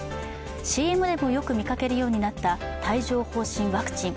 ＣＭでもよく見かけるようになった帯状疱疹ワクチン。